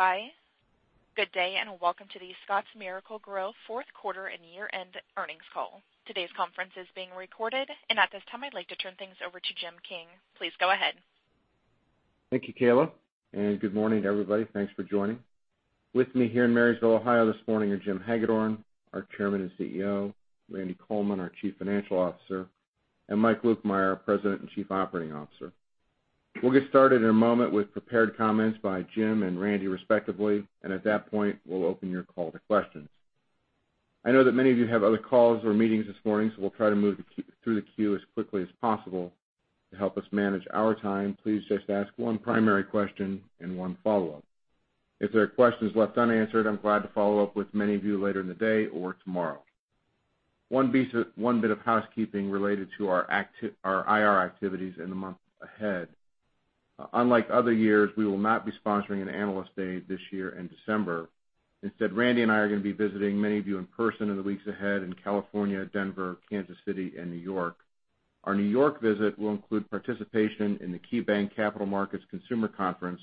Bye. Good day. Welcome to The Scotts Miracle-Gro fourth quarter and year-end earnings call. Today's conference is being recorded. At this time, I'd like to turn things over to Jim King. Please go ahead. Thank you, Kayla. Good morning, everybody. Thanks for joining. With me here in Marysville, Ohio, this morning are Jim Hagedorn, our Chairman and CEO, Randy Coleman, our Chief Financial Officer, and Mike Lukemire, our President and Chief Operating Officer. We'll get started in a moment with prepared comments by Jim and Randy, respectively. At that point, we'll open your call to questions. I know that many of you have other calls or meetings this morning. We'll try to move through the queue as quickly as possible. To help us manage our time, please just ask one primary question and one follow-up. If there are questions left unanswered, I'm glad to follow up with many of you later in the day or tomorrow. One bit of housekeeping related to our IR activities in the month ahead. Unlike other years, we will not be sponsoring an Analyst Day this year in December. Instead, Randy and I are going to be visiting many of you in person in the weeks ahead in California, Denver, Kansas City, and New York. Our New York visit will include participation in the KeyBanc Capital Markets Consumer Conference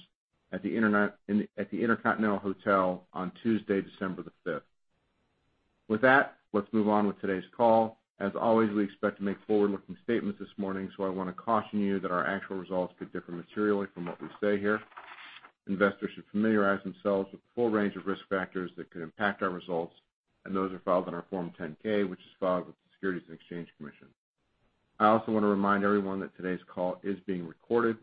at the Intercontinental Hotel on Tuesday, December the 5th. With that, let's move on with today's call. As always, we expect to make forward-looking statements this morning. I want to caution you that our actual results could differ materially from what we say here. Investors should familiarize themselves with the full range of risk factors that could impact our results. Those are filed in our Form 10-K, which is filed with the Securities and Exchange Commission. I also want to remind everyone that today's call is being recorded.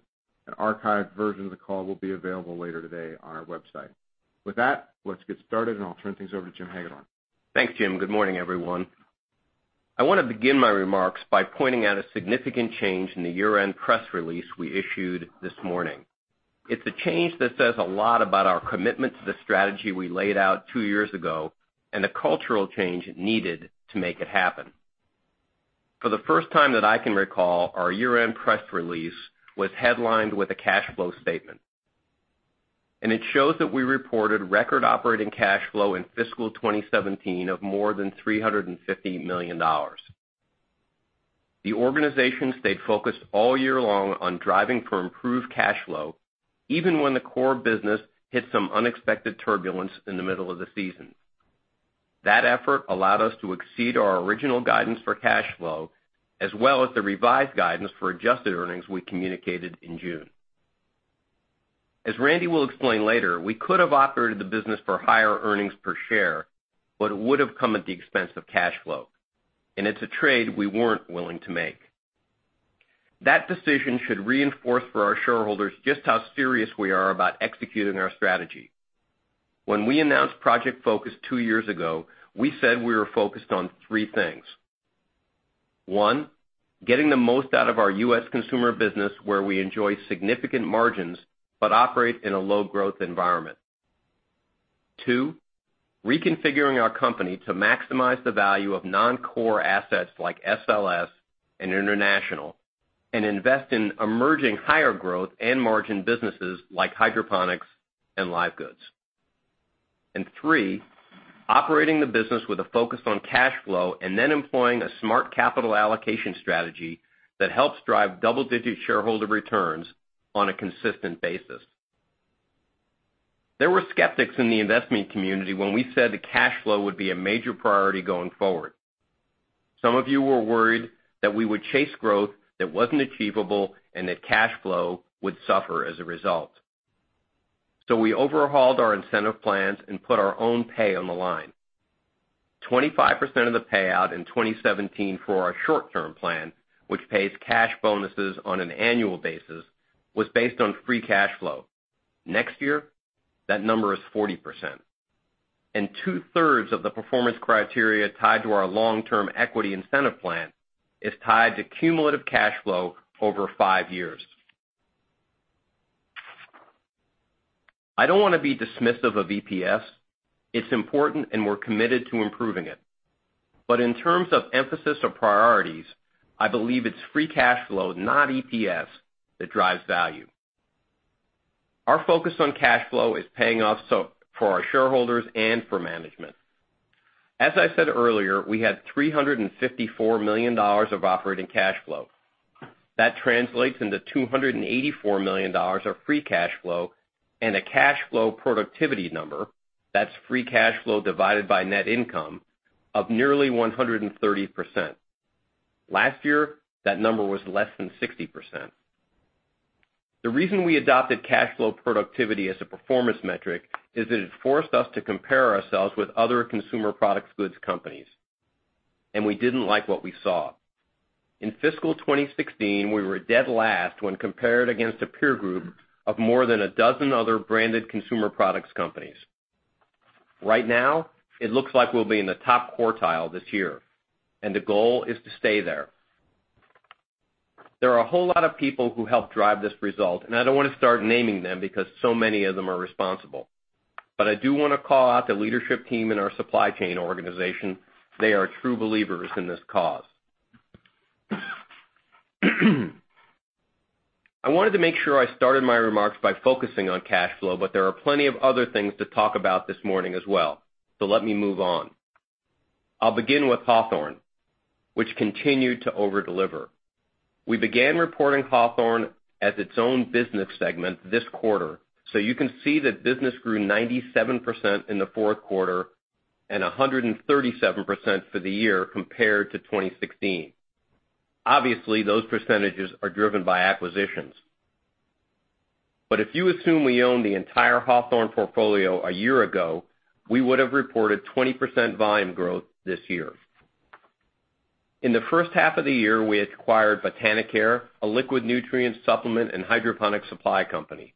An archived version of the call will be available later today on our website. With that, let's get started. I'll turn things over to Jim Hagedorn. Thanks, Jim. Good morning, everyone. I want to begin my remarks by pointing out a significant change in the year-end press release we issued this morning. It's a change that says a lot about our commitment to the strategy we laid out two years ago and the cultural change needed to make it happen. For the first time that I can recall, our year-end press release was headlined with a cash flow statement. It shows that we reported record operating cash flow in fiscal 2017 of more than $350 million. The organization stayed focused all year long on driving for improved cash flow, even when the core business hit some unexpected turbulence in the middle of the season. That effort allowed us to exceed our original guidance for cash flow, as well as the revised guidance for adjusted earnings we communicated in June. As Randy will explain later, we could have operated the business for higher earnings per share. It would have come at the expense of cash flow, and it's a trade we weren't willing to make. That decision should reinforce for our shareholders just how serious we are about executing our strategy. When we announced Project Focus two years ago, we said we were focused on three things. One, getting the most out of our U.S. consumer business, where we enjoy significant margins but operate in a low-growth environment. Two, reconfiguring our company to maximize the value of non-core assets like SLS and international and invest in emerging higher growth and margin businesses like hydroponics and live goods. Three, operating the business with a focus on cash flow and then employing a smart capital allocation strategy that helps drive double-digit shareholder returns on a consistent basis. There were skeptics in the investment community when we said the cash flow would be a major priority going forward. Some of you were worried that we would chase growth that wasn't achievable and that cash flow would suffer as a result. We overhauled our incentive plans and put our own pay on the line. 25% of the payout in 2017 for our short-term plan, which pays cash bonuses on an annual basis, was based on free cash flow. Next year, that number is 40%. Two-thirds of the performance criteria tied to our long-term equity incentive plan is tied to cumulative cash flow over five years. I don't want to be dismissive of EPS. It's important, and we're committed to improving it. But in terms of emphasis or priorities, I believe it's free cash flow, not EPS, that drives value. Our focus on cash flow is paying off for our shareholders and for management. As I said earlier, we had $354 million of operating cash flow. That translates into $284 million of free cash flow and a cash flow productivity number, that's free cash flow divided by net income, of nearly 130%. Last year, that number was less than 60%. The reason we adopted cash flow productivity as a performance metric is that it forced us to compare ourselves with other consumer products goods companies. We didn't like what we saw. In fiscal 2016, we were dead last when compared against a peer group of more than a dozen other branded consumer products companies. Right now, it looks like we'll be in the top quartile this year, and the goal is to stay there. There are a whole lot of people who helped drive this result, I don't want to start naming them because so many of them are responsible. I do want to call out the leadership team in our supply chain organization. They are true believers in this cause. I wanted to make sure I started my remarks by focusing on cash flow, There are plenty of other things to talk about this morning as well. Let me move on. I'll begin with Hawthorne, which continued to over-deliver. We began reporting Hawthorne as its own business segment this quarter, so you can see that business grew 97% in the fourth quarter and 137% for the year compared to 2016. Obviously, those percentages are driven by acquisitions. If you assume we own the entire Hawthorne portfolio a year ago, we would have reported 20% volume growth this year. In the first half of the year, we acquired Botanicare, a liquid nutrient supplement and hydroponic supply company.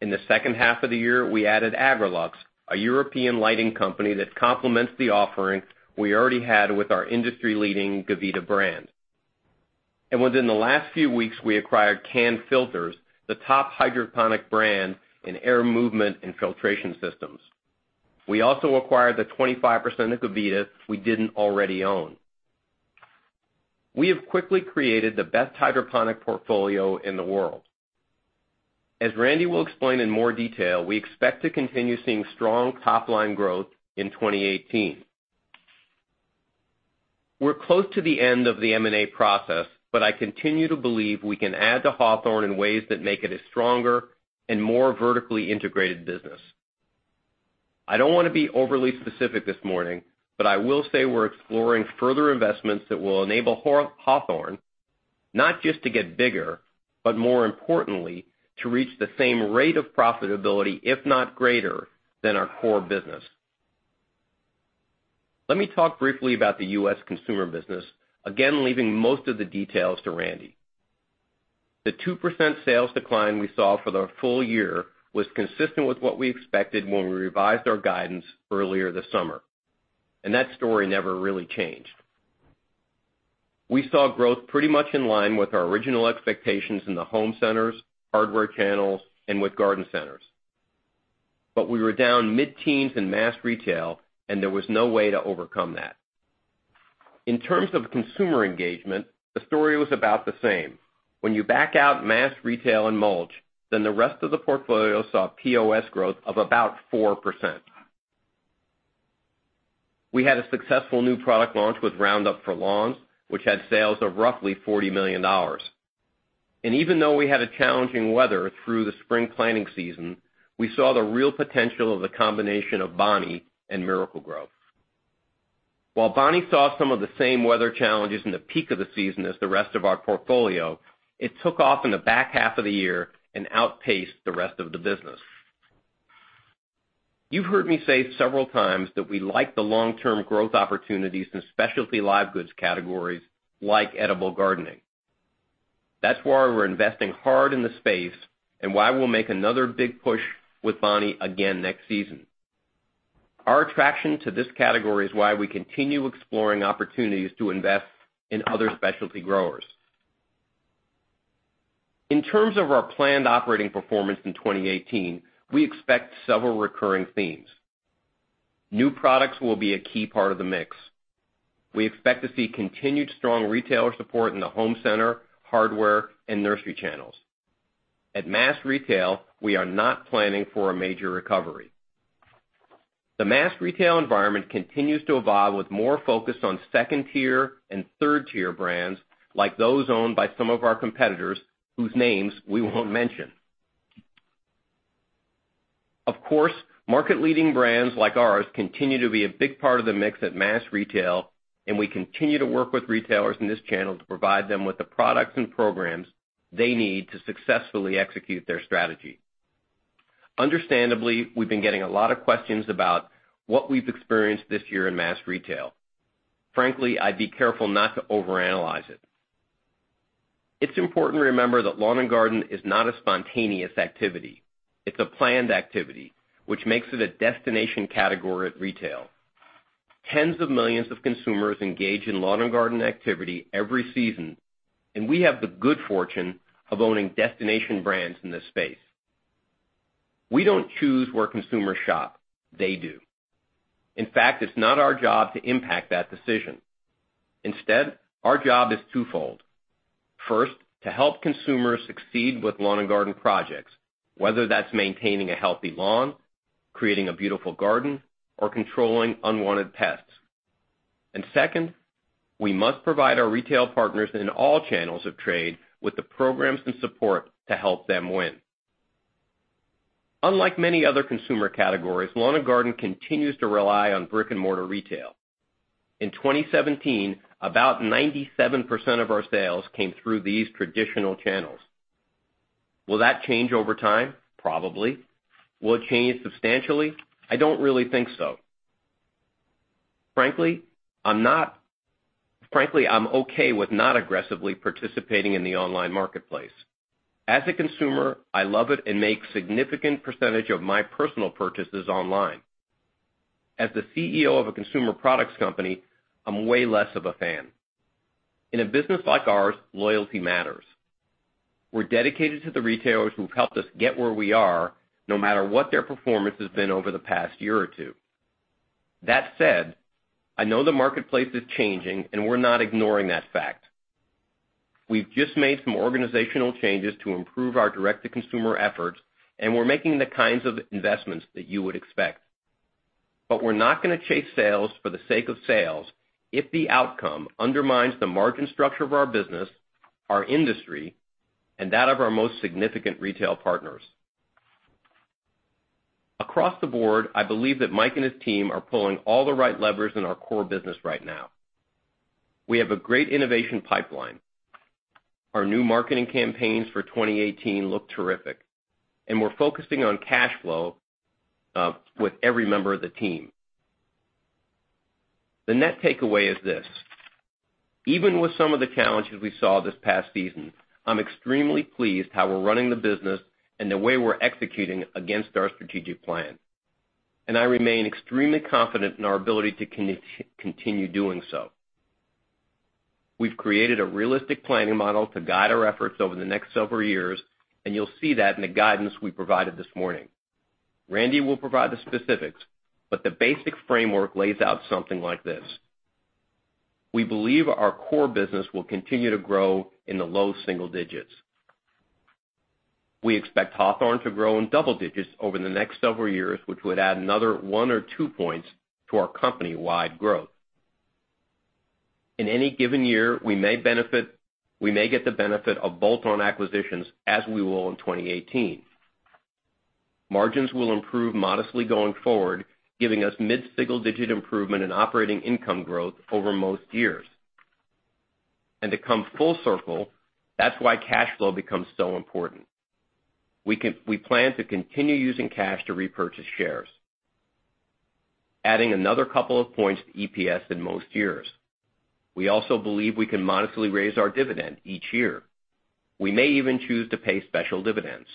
In the second half of the year, we added Agrolux, a European lighting company that complements the offering we already had with our industry-leading Gavita brand. Within the last few weeks, we acquired Can-Filters, the top hydroponic brand in air movement and filtration systems. We also acquired the 25% of Gavita we didn't already own. We have quickly created the best hydroponic portfolio in the world. As Randy will explain in more detail, we expect to continue seeing strong top-line growth in 2018. We're close to the end of the M&A process, I continue to believe we can add to Hawthorne in ways that make it a stronger and more vertically integrated business. I don't want to be overly specific this morning, I will say we're exploring further investments that will enable Hawthorne not just to get bigger, but more importantly, to reach the same rate of profitability, if not greater, than our core business. Let me talk briefly about the U.S. consumer business, again, leaving most of the details to Randy. The 2% sales decline we saw for the full year was consistent with what we expected when we revised our guidance earlier this summer, That story never really changed. We saw growth pretty much in line with our original expectations in the home centers, hardware channels, and with garden centers. We were down mid-teens in mass retail, There was no way to overcome that. In terms of consumer engagement, the story was about the same. When you back out mass retail and mulch, The rest of the portfolio saw POS growth of about 4%. We had a successful new product launch with Roundup For Lawns, which had sales of roughly $40 million. Even though we had challenging weather through the spring planting season, we saw the real potential of the combination of Bonnie and Miracle-Gro. While Bonnie saw some of the same weather challenges in the peak of the season as the rest of our portfolio, it took off in the back half of the year and outpaced the rest of the business. You've heard me say several times that we like the long-term growth opportunities in specialty live goods categories like edible gardening. That's why we're investing hard in the space and why we'll make another big push with Bonnie again next season. Our attraction to this category is why we continue exploring opportunities to invest in other specialty growers. In terms of our planned operating performance in 2018, we expect several recurring themes. New products will be a key part of the mix. We expect to see continued strong retailer support in the home center, hardware, and nursery channels. At mass retail, we are not planning for a major recovery. The mass retail environment continues to evolve with more focus on 2nd-tier and 3rd-tier brands, like those owned by some of our competitors, whose names we won't mention. Market-leading brands like ours continue to be a big part of the mix at mass retail, and we continue to work with retailers in this channel to provide them with the products and programs they need to successfully execute their strategy. Understandably, we've been getting a lot of questions about what we've experienced this year in mass retail. Frankly, I'd be careful not to overanalyze it. It's important to remember that lawn and garden is not a spontaneous activity. It's a planned activity, which makes it a destination category at retail. Tens of millions of consumers engage in lawn and garden activity every season, we have the good fortune of owning destination brands in this space. We don't choose where consumers shop, they do. In fact, it's not our job to impact that decision. Instead, our job is twofold. First, to help consumers succeed with lawn and garden projects, whether that's maintaining a healthy lawn, creating a beautiful garden, or controlling unwanted pests. Second, we must provide our retail partners in all channels of trade with the programs and support to help them win. Unlike many other consumer categories, lawn and garden continues to rely on brick-and-mortar retail. In 2017, about 97% of our sales came through these traditional channels. Will that change over time? Probably. Will it change substantially? I don't really think so. Frankly, I'm okay with not aggressively participating in the online marketplace. As a consumer, I love it and make a significant percentage of my personal purchases online. As the CEO of a consumer products company, I'm way less of a fan. In a business like ours, loyalty matters. We're dedicated to the retailers who've helped us get where we are, no matter what their performance has been over the past year or two. That said, I know the marketplace is changing, we're not ignoring that fact. We've just made some organizational changes to improve our direct-to-consumer efforts, we're making the kinds of investments that you would expect. We're not going to chase sales for the sake of sales if the outcome undermines the margin structure of our business, our industry, and that of our most significant retail partners. Across the board, I believe that Mike and his team are pulling all the right levers in our core business right now. We have a great innovation pipeline. Our new marketing campaigns for 2018 look terrific. We're focusing on cash flow with every member of the team. The net takeaway is this, even with some of the challenges we saw this past season, I'm extremely pleased how we're running the business and the way we're executing against our strategic plan. I remain extremely confident in our ability to continue doing so. We've created a realistic planning model to guide our efforts over the next several years, and you'll see that in the guidance we provided this morning. Randy will provide the specifics, but the basic framework lays out something like this. We believe our core business will continue to grow in the low single digits. We expect Hawthorne to grow in double digits over the next several years, which would add another one or two points to our company-wide growth. In any given year, we may get the benefit of bolt-on acquisitions as we will in 2018. Margins will improve modestly going forward, giving us mid-single digit improvement in operating income growth over most years. To come full circle, that's why cash flow becomes so important. We plan to continue using cash to repurchase shares, adding another couple of points to EPS in most years. We also believe we can modestly raise our dividend each year. We may even choose to pay special dividends.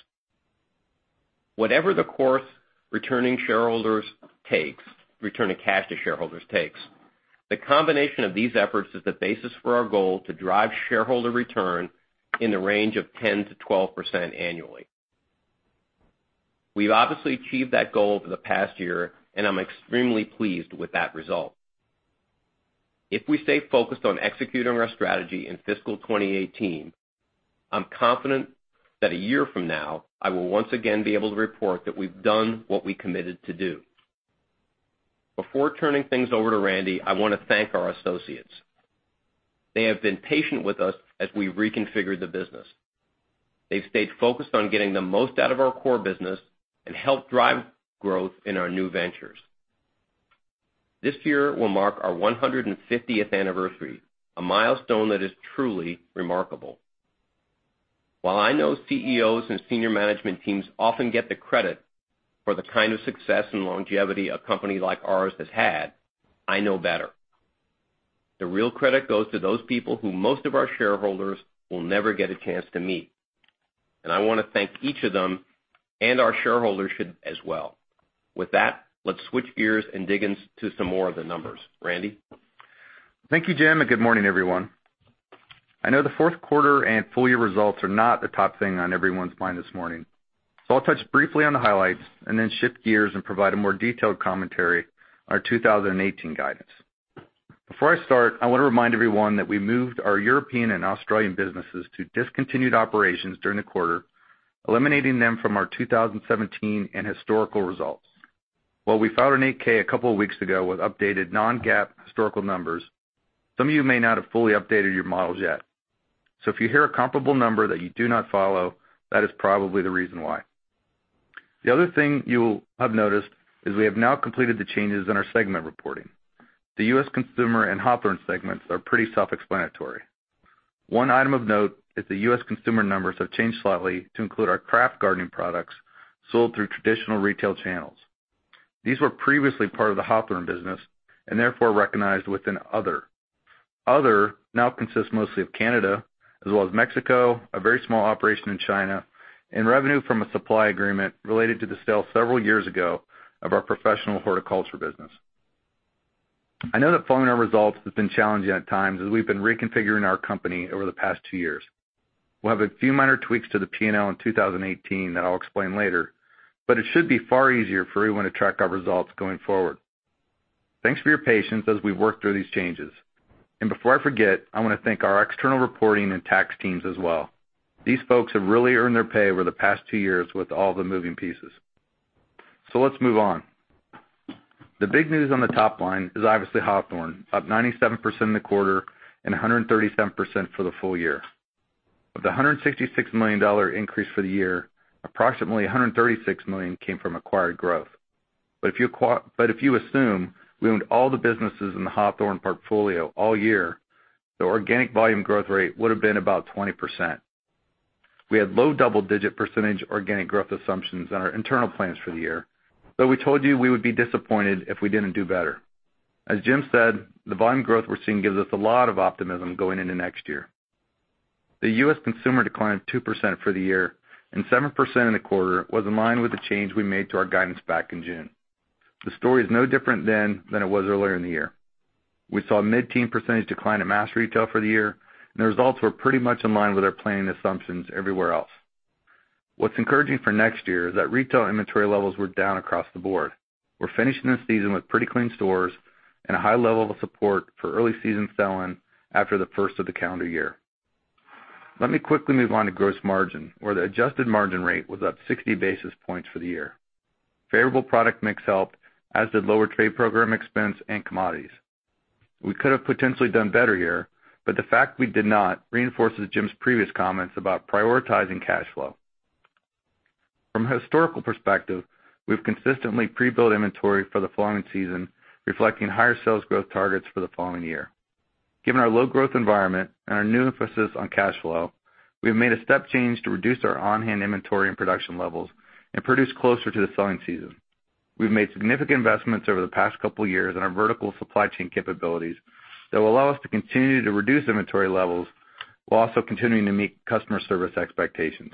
Whatever the course returning cash to shareholders takes, the combination of these efforts is the basis for our goal to drive shareholder return in the range of 10%-12% annually. We've obviously achieved that goal over the past year, and I'm extremely pleased with that result. If we stay focused on executing our strategy in fiscal 2018, I'm confident that a year from now, I will once again be able to report that we've done what we committed to do. Before turning things over to Randy, I want to thank our associates. They have been patient with us as we reconfigure the business. They've stayed focused on getting the most out of our core business and helped drive growth in our new ventures. This year will mark our 150th anniversary, a milestone that is truly remarkable. While I know CEOs and senior management teams often get the credit for the kind of success and longevity a company like ours has had, I know better. The real credit goes to those people who most of our shareholders will never get a chance to meet. I want to thank each of them, and our shareholders should as well. With that, let's switch gears and dig in to some more of the numbers. Randy? Thank you, Jim, and good morning, everyone. I know the fourth quarter and full-year results are not the top thing on everyone's mind this morning, so I'll touch briefly on the highlights and then shift gears and provide a more detailed commentary on our 2018 guidance. Before I start, I want to remind everyone that we moved our European and Australian businesses to discontinued operations during the quarter, eliminating them from our 2017 and historical results. While we filed an 8-K a couple of weeks ago with updated non-GAAP historical numbers, some of you may not have fully updated your models yet. If you hear a comparable number that you do not follow, that is probably the reason why. The other thing you'll have noticed is we have now completed the changes in our segment reporting. The U.S. consumer and Hawthorne segments are pretty self-explanatory. One item of note is the U.S. consumer numbers have changed slightly to include our craft gardening products sold through traditional retail channels. These were previously part of the Hawthorne business and therefore recognized within other. Other now consists mostly of Canada, as well as Mexico, a very small operation in China, and revenue from a supply agreement related to the sale several years ago of our professional horticulture business. I know that following our results has been challenging at times as we've been reconfiguring our company over the past two years. We'll have a few minor tweaks to the P&L in 2018 that I'll explain later, but it should be far easier for everyone to track our results going forward. Thanks for your patience as we work through these changes. Before I forget, I want to thank our external reporting and tax teams as well. These folks have really earned their pay over the past two years with all the moving pieces. Let's move on. The big news on the top line is obviously Hawthorne, up 97% in the quarter and 137% for the full year. Of the $166 million increase for the year, approximately $136 million came from acquired growth. If you assume we owned all the businesses in the Hawthorne portfolio all year, the organic volume growth rate would have been about 20%. We had low double-digit percentage organic growth assumptions on our internal plans for the year, though we told you we would be disappointed if we didn't do better. As Jim said, the volume growth we're seeing gives us a lot of optimism going into next year. The U.S. consumer decline of 2% for the year and 7% in the quarter was in line with the change we made to our guidance back in June. The story is no different then than it was earlier in the year. We saw a mid-teen percentage decline at mass retail for the year, the results were pretty much in line with our planning assumptions everywhere else. What's encouraging for next year is that retail inventory levels were down across the board. We're finishing this season with pretty clean stores and a high level of support for early season selling after the first of the calendar year. Let me quickly move on to gross margin, where the adjusted margin rate was up 60 basis points for the year. Favorable product mix helped, as did lower trade program expense and commodities. We could have potentially done better here, the fact we did not reinforces Jim's previous comments about prioritizing cash flow. From a historical perspective, we've consistently pre-built inventory for the following season, reflecting higher sales growth targets for the following year. Given our low growth environment and our new emphasis on cash flow, we have made a step change to reduce our on-hand inventory and production levels and produce closer to the selling season. We've made significant investments over the past couple of years in our vertical supply chain capabilities that will allow us to continue to reduce inventory levels while also continuing to meet customer service expectations.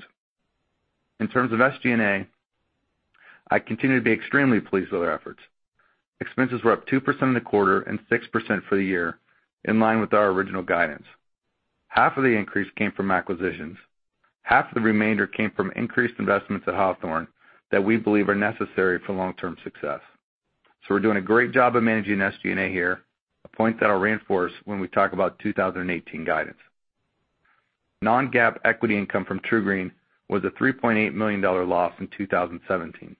In terms of SG&A, I continue to be extremely pleased with our efforts. Expenses were up 2% in the quarter and 6% for the year, in line with our original guidance. Half of the increase came from acquisitions. Half of the remainder came from increased investments at Hawthorne that we believe are necessary for long-term success. We're doing a great job of managing SG&A here, a point that I'll reinforce when we talk about 2018 guidance. non-GAAP equity income from TruGreen was a $3.8 million loss in 2017.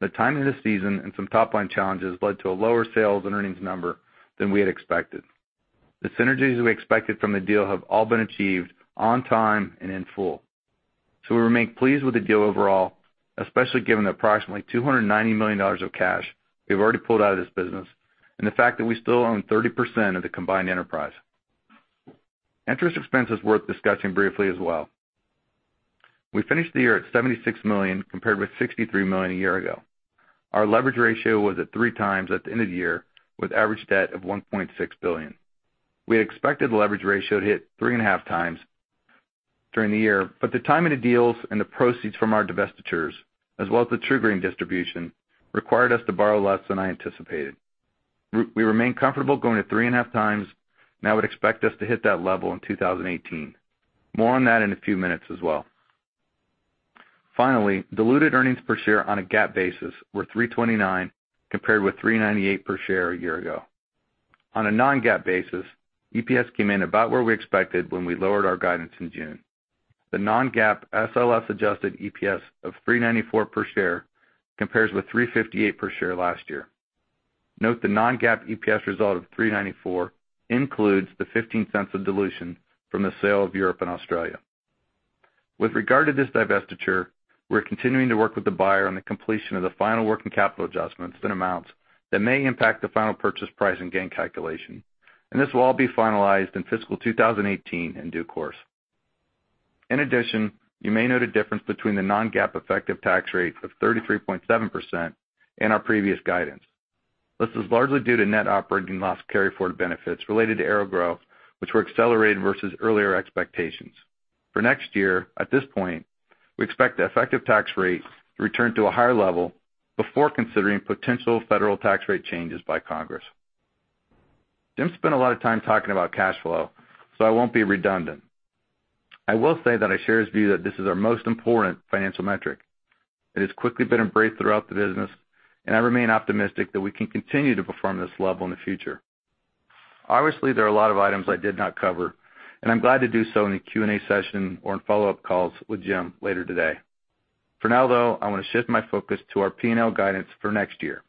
The timing of the season and some top-line challenges led to a lower sales and earnings number than we had expected. The synergies we expected from the deal have all been achieved on time and in full. We remain pleased with the deal overall, especially given the approximately $290 million of cash we've already pulled out of this business, and the fact that we still own 30% of the combined enterprise. Interest expense is worth discussing briefly as well. We finished the year at $76 million, compared with $63 million a year ago. Our leverage ratio was at three times at the end of the year, with average debt of $1.6 billion. The timing of deals and the proceeds from our divestitures, as well as the TruGreen distribution, required us to borrow less than I anticipated. We remain comfortable going to three and a half times, and I would expect us to hit that level in 2018. More on that in a few minutes as well. Finally, diluted earnings per share on a GAAP basis were $3.29, compared with $3.98 per share a year ago. On a non-GAAP basis, EPS came in about where we expected when we lowered our guidance in June. The non-GAAP SLS adjusted EPS of $3.94 per share compares with $3.58 per share last year. Note the non-GAAP EPS result of $3.94 includes the $0.15 of dilution from the sale of Europe and Australia. With regard to this divestiture, we're continuing to work with the buyer on the completion of the final working capital adjustments and amounts that may impact the final purchase price and gain calculation. This will all be finalized in fiscal 2018 in due course. In addition, you may note a difference between the non-GAAP effective tax rate of 33.7% and our previous guidance. This is largely due to net operating loss carry-forward benefits related to AeroGrow, which were accelerated versus earlier expectations. For next year, at this point, we expect the effective tax rate to return to a higher level before considering potential federal tax rate changes by Congress. Jim spent a lot of time talking about cash flow. I won't be redundant. I will say that I share his view that this is our most important financial metric. It has quickly been embraced throughout the business. I remain optimistic that we can continue to perform this level in the future. Obviously, there are a lot of items I did not cover. I'm glad to do so in the Q&A session or in follow-up calls with Jim later today. For now, though, I want to shift my focus to our P&L guidance for next year.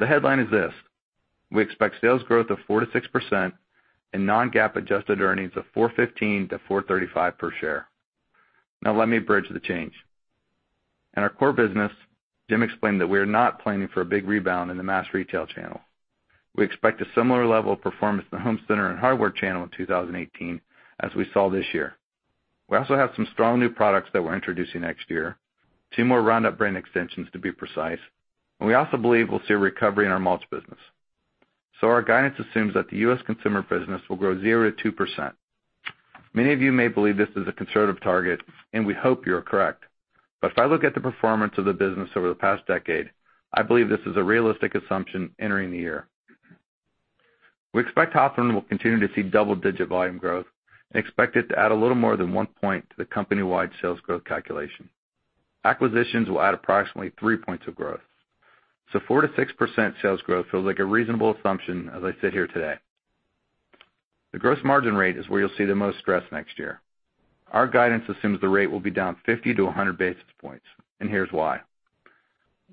The headline is this: We expect sales growth of 4%-6% and non-GAAP adjusted earnings of $4.15-$4.35 per share. Let me bridge the change. In our core business, Jim explained that we are not planning for a big rebound in the mass retail channel. We expect a similar level of performance in the home center and hardware channel in 2018 as we saw this year. We also have some strong new products that we're introducing next year, two more Roundup brand extensions, to be precise, and we also believe we'll see a recovery in our mulch business. Our guidance assumes that the U.S. consumer business will grow 0%-2%. Many of you may believe this is a conservative target, and we hope you are correct. If I look at the performance of the business over the past decade, I believe this is a realistic assumption entering the year. We expect Hawthorne will continue to see double-digit volume growth and expect it to add a little more than one point to the company-wide sales growth calculation. Acquisitions will add approximately three points of growth. 4%-6% sales growth feels like a reasonable assumption as I sit here today. The gross margin rate is where you'll see the most stress next year. Our guidance assumes the rate will be down 50 to 100 basis points, and here's why.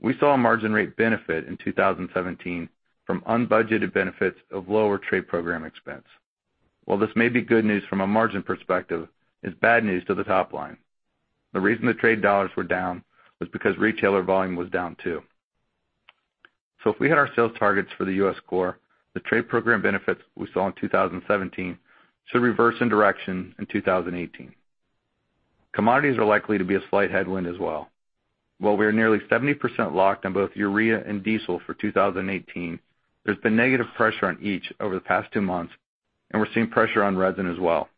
We saw a margin rate benefit in 2017 from unbudgeted benefits of lower trade program expense. While this may be good news from a margin perspective, it's bad news to the top line. The reason the trade dollars were down was because retailer volume was down, too. If we hit our sales targets for the U.S. core, the trade program benefits we saw in 2017 should reverse in direction in 2018. Commodities are likely to be a slight headwind as well. While we are nearly 70% locked on both urea and diesel for 2018, there's been negative pressure on each over the past two months, and we're seeing pressure on resin as well.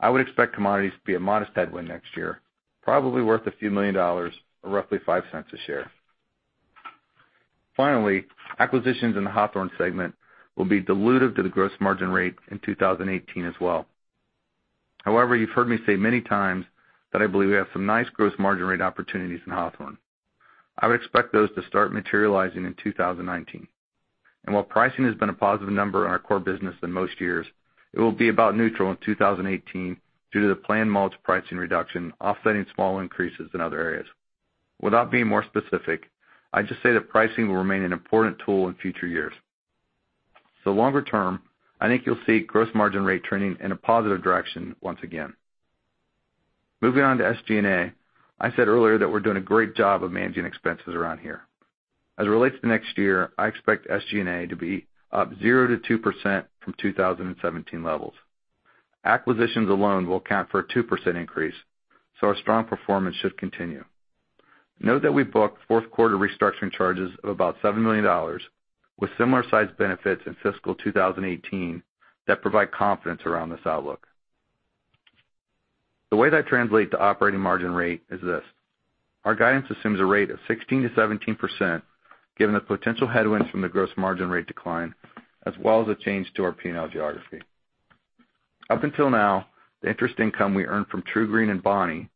I would expect commodities to be a modest headwind next year, probably worth a few million dollars or roughly $0.05 a share. Finally, acquisitions in the Hawthorne segment will be dilutive to the gross margin rate in 2018 as well. However, you've heard me say many times that I believe we have some nice gross margin rate opportunities in Hawthorne. I would expect those to start materializing in 2019. While pricing has been a positive number in our core business in most years, it will be about neutral in 2018 due to the planned mulch pricing reduction offsetting small increases in other areas. Without being more specific, I'd just say that pricing will remain an important tool in future years. Longer term, I think you'll see gross margin rate trending in a positive direction once again. Moving on to SG&A. I said earlier that we're doing a great job of managing expenses around here. As it relates to next year, I expect SG&A to be up 0%-2% from 2017 levels. Acquisitions alone will account for a 2% increase, so our strong performance should continue. Note that we booked fourth quarter restructuring charges of about $7 million with similar size benefits in fiscal 2018 that provide confidence around this outlook. The way that translates to operating margin rate is this: Our guidance assumes a rate of 16%-17% given the potential headwinds from the gross margin rate decline, as well as a change to our P&L geography. Up until now, the interest income we earned from TruGreen and Bonnie,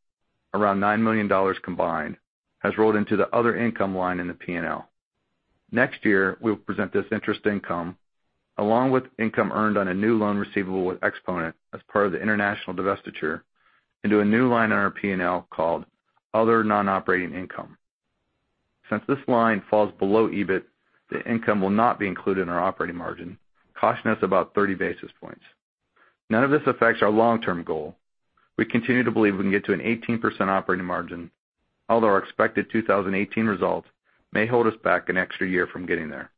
around $9 million combined, has rolled into the other income line in the P&L. Next year, we will present this interest income, along with income earned on a new loan receivable with Exponent as part of the international divestiture, into a new line in our P&L called Other Non-Operating Income. Since this line falls below EBIT, the income will not be included in our operating margin, costing us about 30 basis points. None of this affects our long-term goal. We continue to believe we can get to an 18% operating margin, although our expected 2018 results may hold us back an extra year from getting there.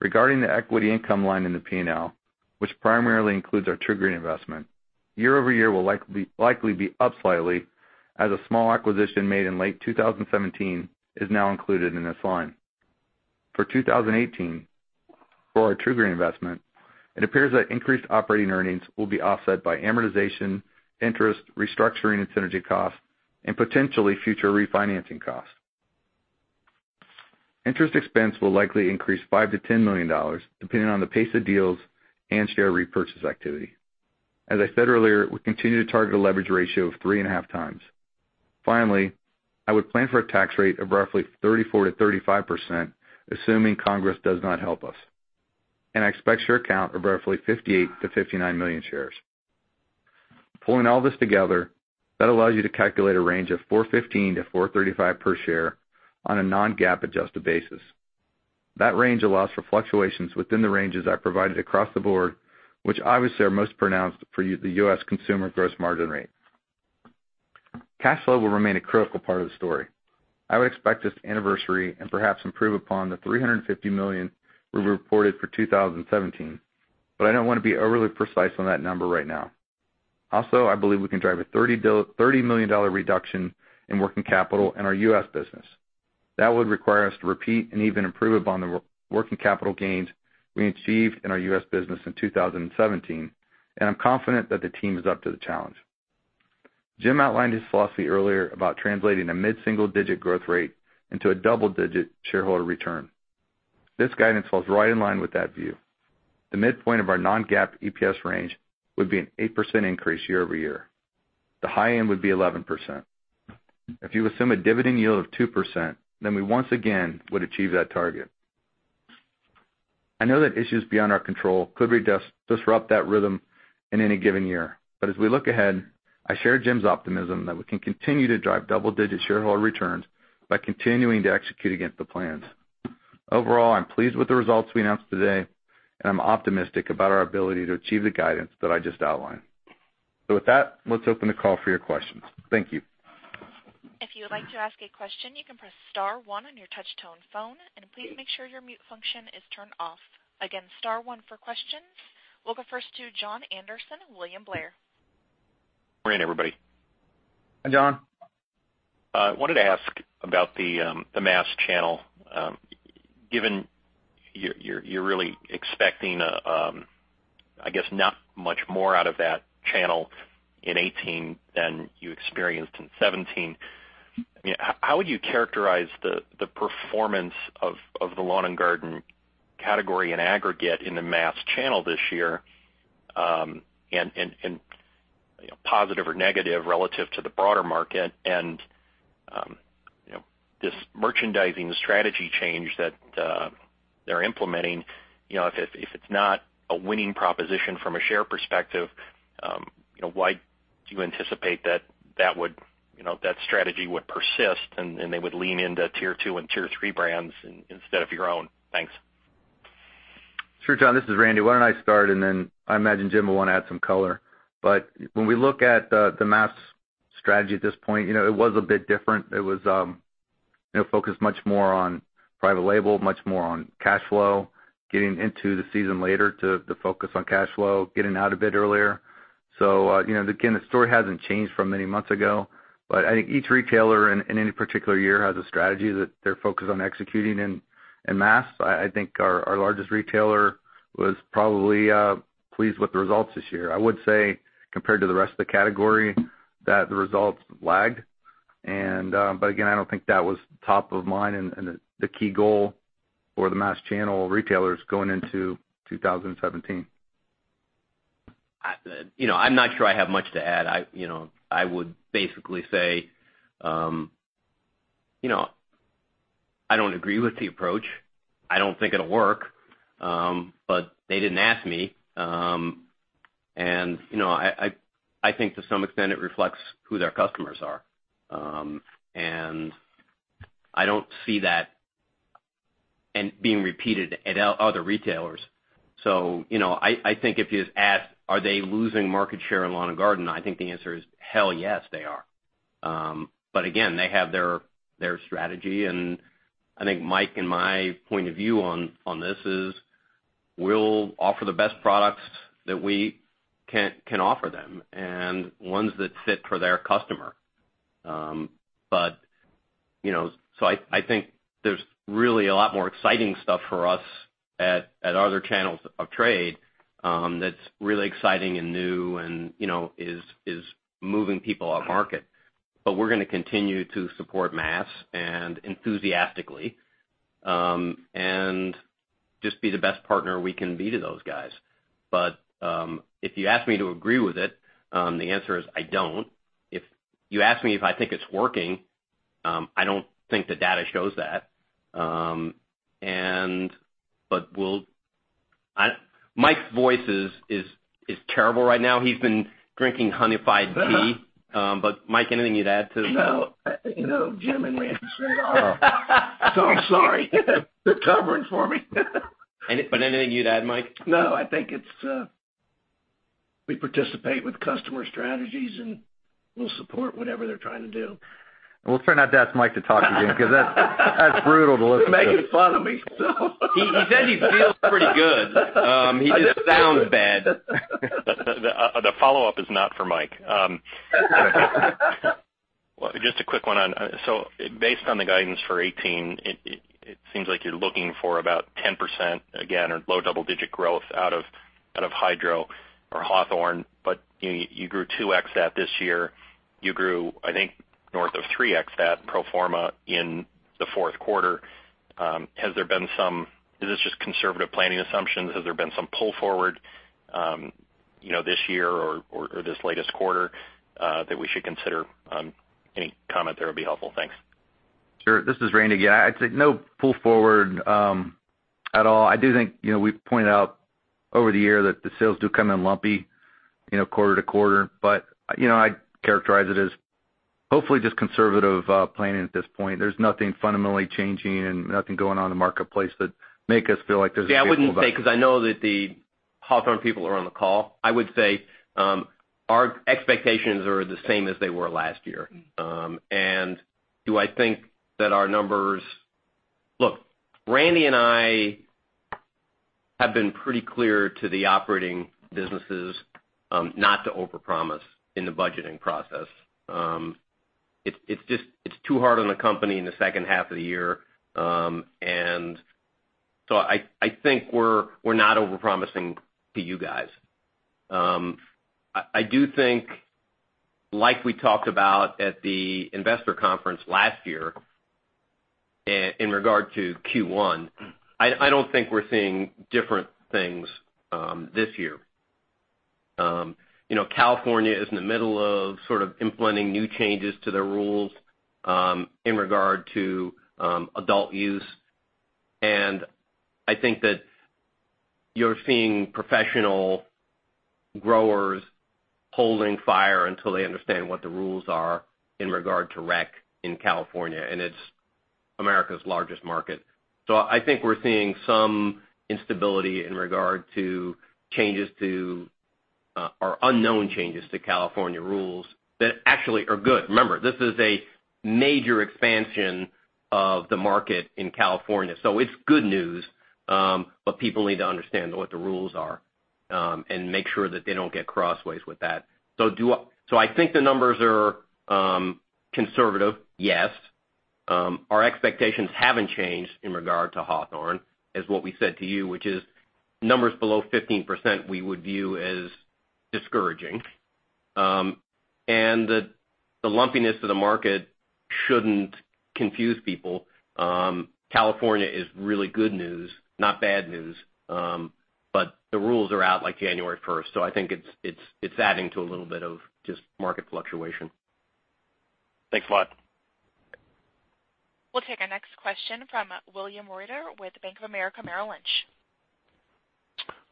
Regarding the equity income line in the P&L, which primarily includes our TruGreen investment, year-over-year will likely be up slightly as a small acquisition made in late 2017 is now included in this line. For 2018, for our TruGreen investment, it appears that increased operating earnings will be offset by amortization, interest, restructuring and synergy costs, and potentially future refinancing costs. Interest expense will likely increase $5 million to $10 million depending on the pace of deals and share repurchase activity. As I said earlier, we continue to target a leverage ratio of three and a half times. Finally, I would plan for a tax rate of roughly 34%-35% assuming Congress does not help us. I expect share count of roughly 58 million to 59 million shares. Pulling all this together, that allows you to calculate a range of $4.15 to $4.35 per share on a non-GAAP adjusted basis. That range allows for fluctuations within the ranges I provided across the board, which obviously are most pronounced for the U.S. consumer gross margin rate. Cash flow will remain a critical part of the story. I would expect this to anniversary and perhaps improve upon the $350 million we reported for 2017, but I don't want to be overly precise on that number right now. Also, I believe we can drive a $30 million reduction in working capital in our U.S. business. That would require us to repeat and even improve upon the working capital gains we achieved in our U.S. business in 2017, and I'm confident that the team is up to the challenge. Jim outlined his philosophy earlier about translating a mid-single-digit growth rate into a double-digit shareholder return. This guidance falls right in line with that view. The midpoint of our non-GAAP EPS range would be an 8% increase year-over-year. The high end would be 11%. If you assume a dividend yield of 2%, we once again would achieve that target. I know that issues beyond our control could disrupt that rhythm in any given year. As we look ahead, I share Jim's optimism that we can continue to drive double-digit shareholder returns by continuing to execute against the plans. Overall, I'm pleased with the results we announced today, and I'm optimistic about our ability to achieve the guidance that I just outlined. With that, let's open the call for your questions. Thank you. If you would like to ask a question, you can press *1 on your touch-tone phone. Please make sure your mute function is turned off. Again, *1 for questions. We will go first to Jon Andersen of William Blair. Hi, Jon. I wanted to ask about the mass channel. Given you are really expecting, I guess, not much more out of that channel in 2018 than you experienced in 2017, how would you characterize the performance of the lawn and garden category in aggregate in the mass channel this year? Positive or negative relative to the broader market and this merchandising strategy change that they are implementing, if it is not a winning proposition from a share perspective, why do you anticipate that strategy would persist and they would lean into tier 2 and tier 3 brands instead of your own? Thanks. Sure, Jon. This is Randy. Why do not I start, then I imagine Jim will want to add some color. When we look at the mass strategy at this point, it was a bit different. It was focused much more on private label, much more on cash flow, getting into the season later to focus on cash flow, getting out a bit earlier. Again, the story has not changed from many months ago. I think each retailer in any particular year has a strategy that they are focused on executing in mass. I think our largest retailer was probably pleased with the results this year. I would say compared to the rest of the category, that the results lagged. Again, I do not think that was top of mind and the key goal for the mass channel retailers going into 2017. I'm not sure I have much to add. I would basically say, I don't agree with the approach. I don't think it'll work, but they didn't ask me. I think to some extent it reflects who their customers are. I don't see that being repeated at other retailers. I think if you ask, are they losing market share in lawn and garden? I think the answer is, hell yes, they are. Again, they have their strategy. I think Mike and my point of view on this is, we'll offer the best products that we can offer them and ones that fit for their customer. I think there's really a lot more exciting stuff for us at other channels of trade, that's really exciting and new and is moving people off market. We're going to continue to support mass and enthusiastically, and just be the best partner we can be to those guys. If you ask me to agree with it, the answer is I don't. If you ask me if I think it's working, I don't think the data shows that. Mike's voice is terrible right now. He's been drinking Honeyfind tea. Mike, anything you'd add to? No. Jim and Randy said it all. I'm sorry. They're covering for me. Anything you'd add, Mike? No, I think we participate with customer strategies, and we'll support whatever they're trying to do. We'll try not to ask Mike to talk again, because that's brutal to listen to. You're making fun of me. He said he feels pretty good. He just sounds bad. The follow-up is not for Mike. Just a quick one. Based on the guidance for 2018, it seems like you're looking for about 10% again, or low double-digit growth out of Hawthorne, but you grew 2x that this year. You grew, I think, north of 3x that pro forma in the fourth quarter. Is this just conservative planning assumptions? Has there been some pull forward this year or this latest quarter that we should consider? Any comment there would be helpful. Thanks. Sure. This is Randy. I'd say no pull forward at all. I do think, we've pointed out over the year that the sales do come in lumpy quarter-to-quarter, but I'd characterize it as hopefully just conservative planning at this point. There's nothing fundamentally changing and nothing going on in the marketplace that make us feel like there's- I wouldn't say, because I know that the Hawthorne people are on the call. I would say our expectations are the same as they were last year. Do I think that our numbers Look, Randy and I have been pretty clear to the operating businesses, not to overpromise in the budgeting process. It's too hard on the company in the second half of the year. I think we're not overpromising to you guys. I do think, like we talked about at the investor conference last year in regard to Q1, I don't think we're seeing different things this year. California is in the middle of sort of implementing new changes to their rules, in regard to adult use. I think that you're seeing professional growers holding fire until they understand what the rules are in regard to rec in California, and it's America's largest market. I think we're seeing some instability in regard to changes to, or unknown changes to California rules that actually are good. Remember, this is a major expansion of the market in California. It's good news, but people need to understand what the rules are, and make sure that they don't get crossways with that. I think the numbers are conservative, yes. Our expectations haven't changed in regard to Hawthorne, as what we said to you, which is numbers below 15% we would view as discouraging. The lumpiness of the market shouldn't confuse people. California is really good news, not bad news. The rules are out like January 1st, I think it's adding to a little bit of just market fluctuation. Thanks a lot. We'll take our next question from William Reuter with Bank of America Merrill Lynch.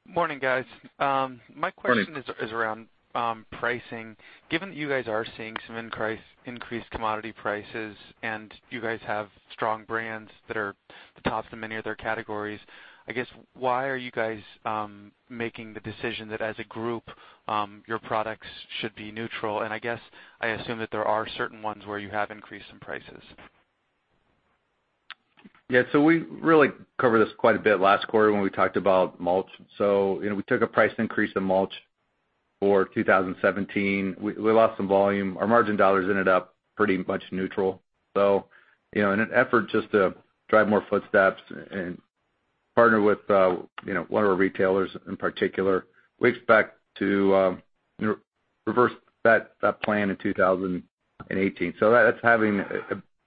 Morning, guys. Morning. My question is around pricing. Given that you guys are seeing some increased commodity prices and you guys have strong brands that are the top to many other categories, I guess why are you guys making the decision that as a group, your products should be neutral? I guess, I assume that there are certain ones where you have increased some prices. Yeah, we really covered this quite a bit last quarter when we talked about mulch. We took a price increase in mulch For 2017, we lost some volume. Our margin dollars ended up pretty much neutral. In an effort just to drive more footsteps and partner with one of our retailers in particular, we expect to reverse that plan in 2018. That's having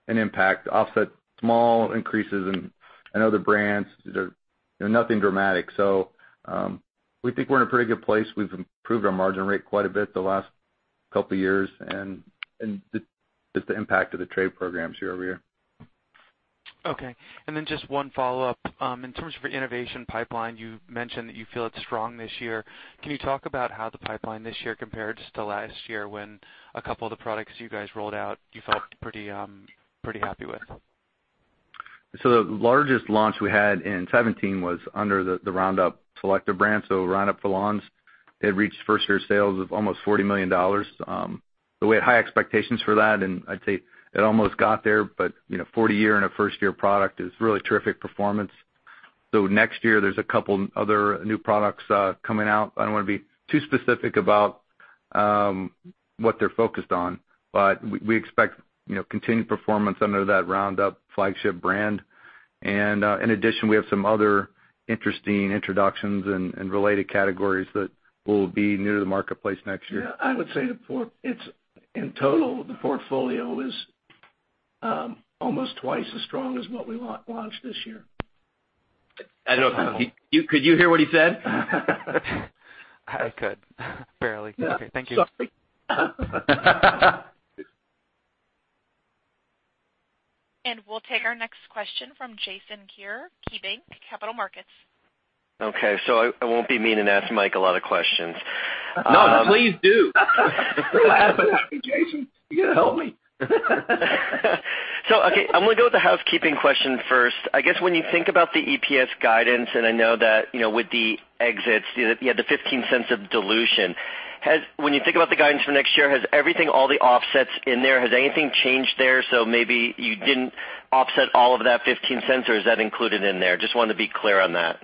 an impact. Offset small increases in other brands. Nothing dramatic. We think we're in a pretty good place. We've improved our margin rate quite a bit the last couple of years, and just the impact of the trade programs year-over-year. Okay. Just one follow-up. In terms of your innovation pipeline, you mentioned that you feel it's strong this year. Can you talk about how the pipeline this year compares to last year, when a couple of the products you guys rolled out, you felt pretty happy with? The largest launch we had in '17 was under the Roundup selective brand. Roundup For Lawns, it reached first-year sales of almost $40 million. We had high expectations for that, and I'd say it almost got there, but 40 a year on a first-year product is really terrific performance. Next year, there's a couple other new products coming out. I don't want to be too specific about what they're focused on, but we expect continued performance under that Roundup flagship brand. In addition, we have some other interesting introductions in related categories that will be new to the marketplace next year. Yeah, I would say in total, the portfolio is almost twice as strong as what we launched this year. I don't know. Could you hear what he said? I could. Barely. Okay, thank you. Sorry. We'll take our next question from Jason Keyer, KeyBanc Capital Markets. Okay, I won't be mean and ask Mike a lot of questions. No, please do. Go ahead Jason, you got to help me. Okay, I'm going to go with the housekeeping question first. I guess when you think about the EPS guidance, and I know that with the exits, you had the $0.15 of dilution. When you think about the guidance for next year, has everything, all the offsets in there, has anything changed there? Maybe you didn't offset all of that $0.15, or is that included in there? Just want to be clear on that.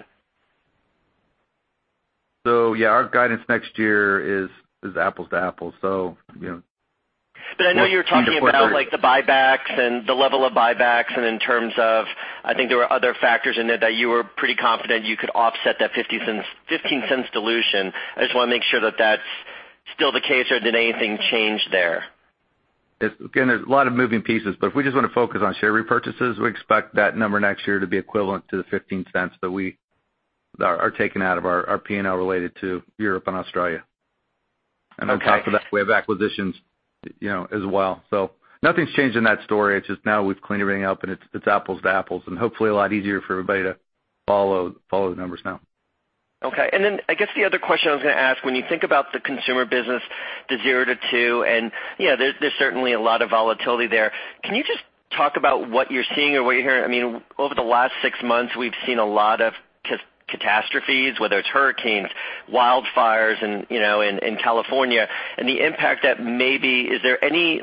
Yeah, our guidance next year is apples to apples. I know you were talking about the buybacks and the level of buybacks. In terms of, I think there were other factors in there that you were pretty confident you could offset that $0.15 dilution. I just want to make sure that that's still the case, or did anything change there? There's a lot of moving pieces, but if we just want to focus on share repurchases, we expect that number next year to be equivalent to the $0.15 that are taken out of our P&L related to Europe and Australia. Okay. On top of that, we have acquisitions as well. Nothing's changed in that story. It's just now we've cleaned everything up and it's apples to apples, hopefully a lot easier for everybody to follow the numbers now. I guess the other question I was going to ask, when you think about the consumer business, the 0-2, there's certainly a lot of volatility there. Can you just talk about what you're seeing or what you're hearing? Over the last six months, we've seen a lot of catastrophes, whether it's hurricanes, wildfires in California, the impact that maybe, is there any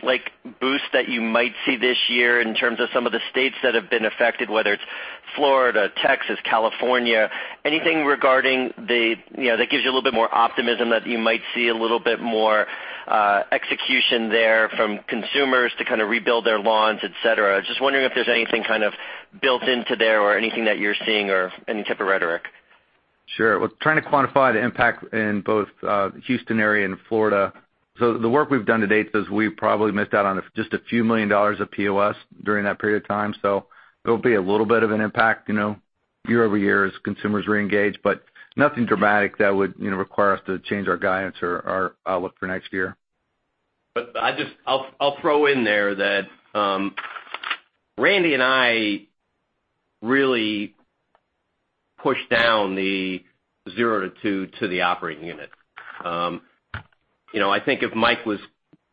boost that you might see this year in terms of some of the states that have been affected, whether it's Florida, Texas, California, that gives you a little bit more optimism that you might see a little bit more execution there from consumers to kind of rebuild their lawns, et cetera? I'm just wondering if there's anything kind of built into there or anything that you're seeing or any type of rhetoric. Sure. We're trying to quantify the impact in both Houston area and Florida. The work we've done to date says we've probably missed out on just a few million dollars of POS during that period of time. It'll be a little bit of an impact year-over-year as consumers reengage, but nothing dramatic that would require us to change our guidance or our outlook for next year. I'll throw in there that Randy and I really pushed down the 0 to 2 to the operating unit. I think if Mike was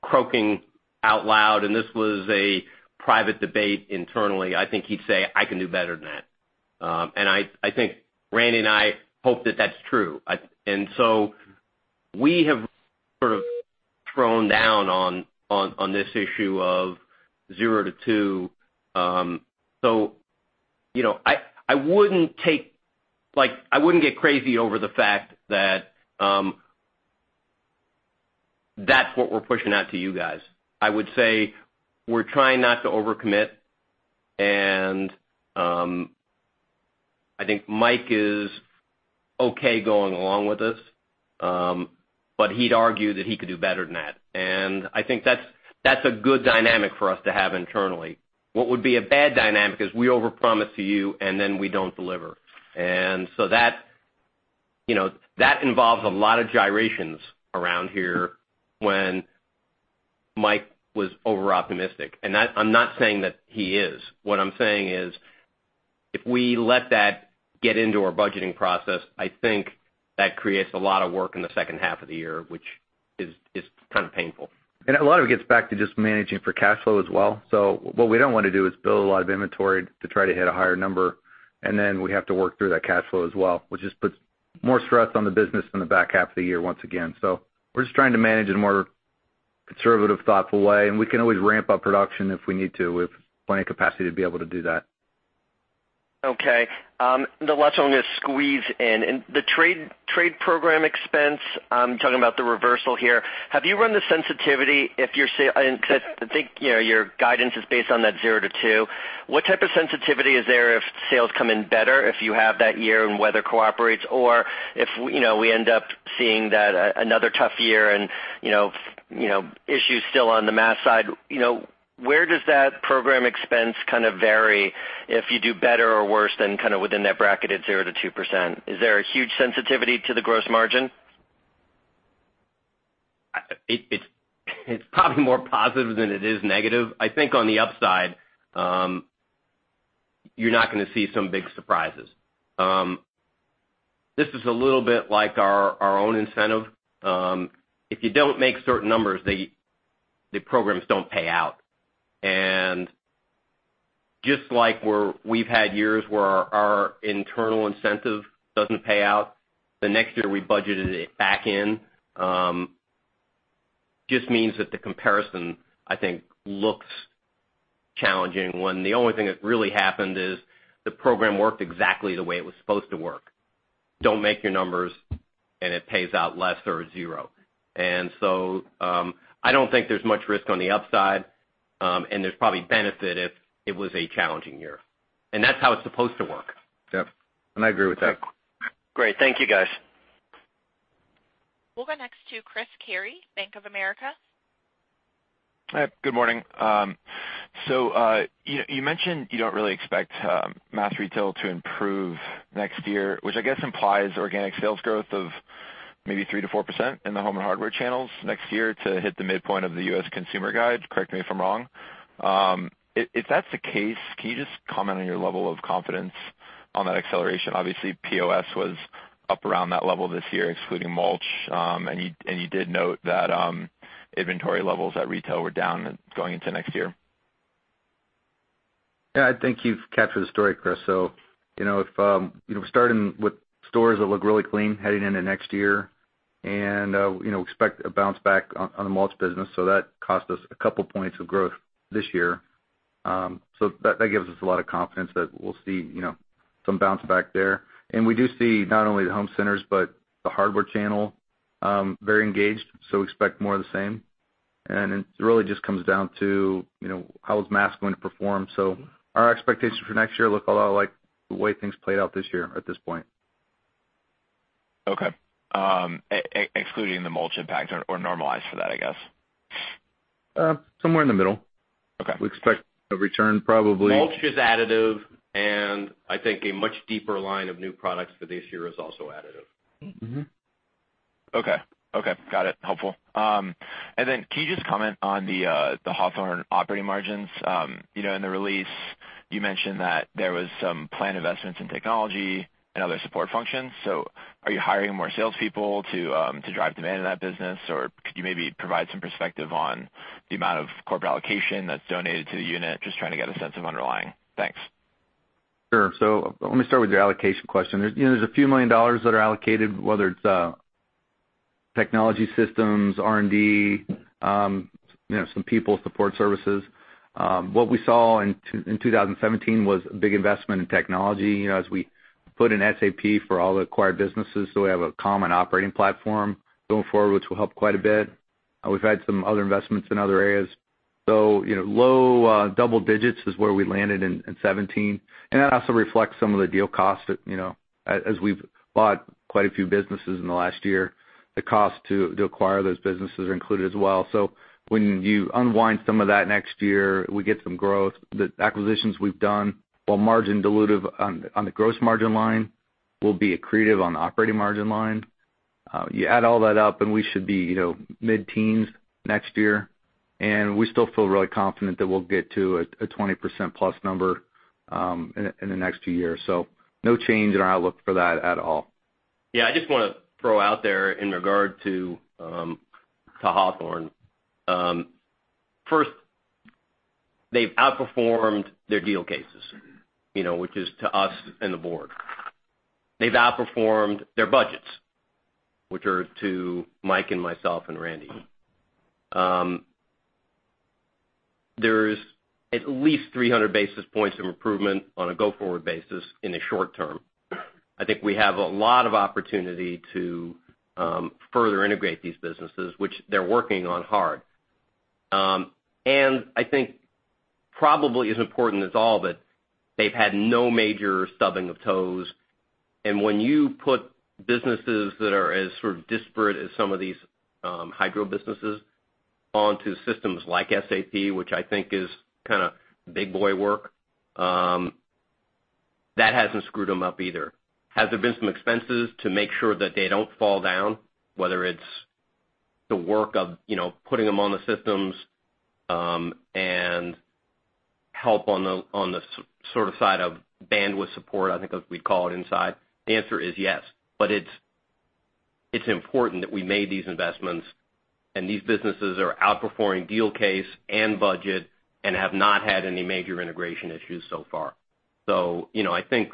croaking out loud and this was a private debate internally, I think he'd say, "I can do better than that." I think Randy and I hope that that's true. We have sort of thrown down on this issue of 0 to 2. I wouldn't get crazy over the fact that that's what we're pushing out to you guys. I would say we're trying not to overcommit, I think Mike is okay going along with this, but he'd argue that he could do better than that. I think that's a good dynamic for us to have internally. What would be a bad dynamic is we overpromise to you, then we don't deliver. That involves a lot of gyrations around here when Mike was over-optimistic. I'm not saying that he is. What I'm saying is, if we let that get into our budgeting process, I think that creates a lot of work in the second half of the year, which is kind of painful. A lot of it gets back to just managing for cash flow as well. What we don't want to do is build a lot of inventory to try to hit a higher number, then we have to work through that cash flow as well, which just puts more stress on the business in the back half of the year once again. We're just trying to manage in a more conservative, thoughtful way, we can always ramp up production if we need to. We have plenty of capacity to be able to do that. Okay. The last one I'm going to squeeze in. In the trade program expense, I'm talking about the reversal here. Have you run the sensitivity? I think your guidance is based on that 0 to 2. What type of sensitivity is there if sales come in better, if you have that year and weather cooperates, or if we end up seeing another tough year and issues still on the mass side. Where does that program expense kind of vary if you do better or worse than kind of within that bracket at 0% to 2%? Is there a huge sensitivity to the gross margin? It's probably more positive than it is negative. I think on the upside, you're not going to see some big surprises. This is a little bit like our own incentive. If you don't make certain numbers, the programs don't pay out. Just like we've had years where our internal incentive doesn't pay out, the next year we budgeted it back in. Just means that the comparison, I think, looks challenging when the only thing that really happened is the program worked exactly the way it was supposed to work. Don't make your numbers, and it pays out less or zero. I don't think there's much risk on the upside, and there's probably benefit if it was a challenging year. That's how it's supposed to work. Yep. I agree with that. Great. Thank you, guys. We'll go next to Chris Carey, Bank of America. Good morning. You mentioned you don't really expect mass retail to improve next year, which I guess implies organic sales growth of maybe 3%-4% in the home and hardware channels next year to hit the midpoint of the U.S. consumer guide, correct me if I'm wrong. If that's the case, can you just comment on your level of confidence on that acceleration? Obviously, POS was up around that level this year, excluding mulch, and you did note that inventory levels at retail were down going into next year. Yeah, I think you've captured the story, Chris. Starting with stores that look really clean heading into next year and we expect a bounce back on the mulch business, that cost us a couple points of growth this year. That gives us a lot of confidence that we'll see some bounce back there. We do see not only the home centers, but the hardware channel, very engaged, expect more of the same. It really just comes down to how is mass going to perform. Our expectations for next year look a lot like the way things played out this year at this point. Okay. Excluding the mulch impact or normalized for that, I guess. Somewhere in the middle. Okay. We expect a return. Mulch is additive, and I think a much deeper line of new products for this year is also additive. Okay. Got it. Helpful. Then, can you just comment on the Hawthorne operating margins? In the release, you mentioned that there was some planned investments in technology and other support functions. Are you hiring more salespeople to drive demand in that business? Could you maybe provide some perspective on the amount of corporate allocation that's donated to the unit? Just trying to get a sense of underlying. Thanks. Sure. Let me start with your allocation question. There's a few million dollars that are allocated, whether it's technology systems, R&D, some people, support services. What we saw in 2017 was a big investment in technology, as we put in SAP for all the acquired businesses, so we have a common operating platform going forward, which will help quite a bit. We've had some other investments in other areas. Low double digits is where we landed in 2017. That also reflects some of the deal costs. As we've bought quite a few businesses in the last year, the cost to acquire those businesses are included as well. When you unwind some of that next year, we get some growth. The acquisitions we've done, while margin dilutive on the gross margin line, will be accretive on the operating margin line. You add all that up, we should be mid-teens next year, we still feel really confident that we'll get to a 20% plus number in the next two years. No change in our outlook for that at all. Yeah, I just want to throw out there in regard to Hawthorne. First, they've outperformed their deal cases, which is to us and the board. They've outperformed their budgets, which are to Mike and myself and Randy. There is at least 300 basis points of improvement on a go-forward basis in the short term. I think we have a lot of opportunity to further integrate these businesses, which they're working on hard. I think probably as important as all of it, they've had no major stubbing of toes, and when you put businesses that are as sort of disparate as some of these hydro businesses onto systems like SAP, which I think is kind of big boy work, that hasn't screwed them up either. Has there been some expenses to make sure that they don't fall down, whether it's the work of putting them on the systems, and help on the sort of side of bandwidth support, I think as we'd call it inside? The answer is yes. It's important that we made these investments, and these businesses are outperforming deal case and budget and have not had any major integration issues so far. I think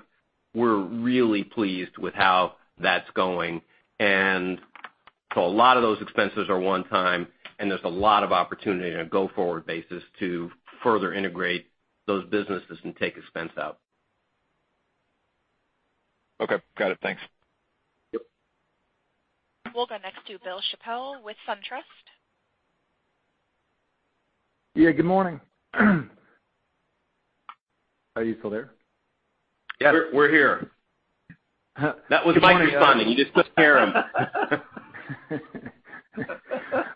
we're really pleased with how that's going. A lot of those expenses are one-time, and there's a lot of opportunity on a go-forward basis to further integrate those businesses and take expense out. Okay, got it. Thanks. Yep. We'll go next to Bill Chappell with SunTrust. Yeah, good morning. Are you still there? Yep. We're here. That was Mike responding. He just couldn't hear him.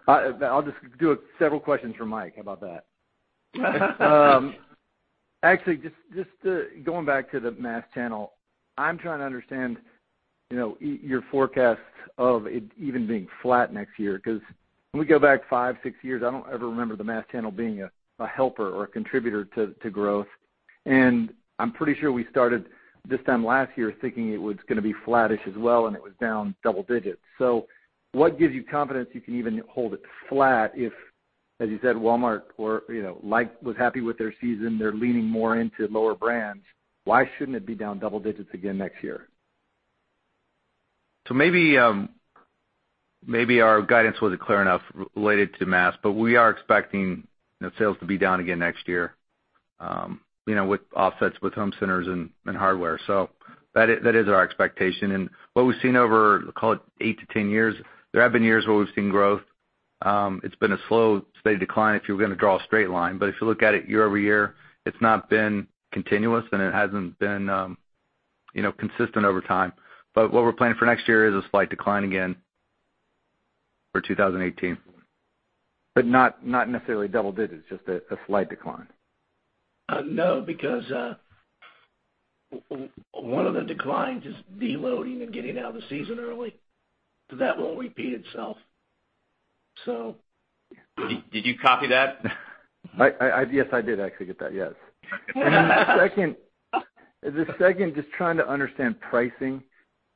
I'll just do several questions for Mike. How about that? Actually, just going back to the mass channel, I'm trying to understand your forecast of it even being flat next year, because when we go back five, six years, I don't ever remember the mass channel being a helper or a contributor to growth. I'm pretty sure we started this time last year thinking it was going to be flattish as well, and it was down double digits. What gives you confidence you can even hold it flat if, as you said, Walmart was happy with their season, they're leaning more into lower brands. Why shouldn't it be down double digits again next year? Maybe our guidance wasn't clear enough related to mass, but we are expecting sales to be down again next year with offsets with home centers and hardware. That is our expectation and what we've seen over, call it eight to 10 years, there have been years where we've seen growth. It's been a slow, steady decline if you were going to draw a straight line, but if you look at it year-over-year, it's not been continuous and it hasn't been consistent over time. What we're planning for next year is a slight decline again for 2018. Not necessarily double digits, just a slight decline. No. Because one of the declines is de-loading and getting out of the season early. That won't repeat itself. Did you copy that? Yes, I did actually get that. Yes. The second, just trying to understand pricing.